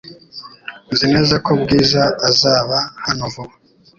Nzi neza ko Bwiza azaba hano vuba .